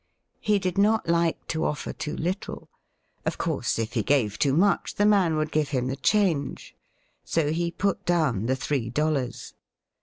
He did not like to offer too httle. Of course if he gave too much the man would give him the change. So he put down the three dollars.